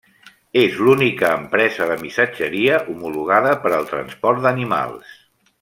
És l'única empresa de missatgeria homologada per al transport d'animals.